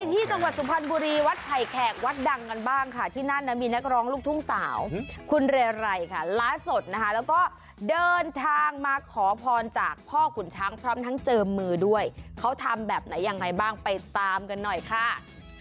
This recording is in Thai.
ที่จังหวัดสุพรรณบุรีวัดไผ่แขกวัดดังกันบ้างค่ะที่นั่นนะมีนักร้องลูกทุ่งสาวคุณเรไรค่ะล่าสุดนะคะแล้วก็เดินทางมาขอพรจากพ่อขุนช้างพร้อมทั้งเจอมือด้วยเขาทำแบบไหนยังไงบ้างไปตามกันหน่อยค่ะ